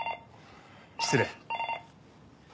失礼。